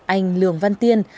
anh lường văn tiên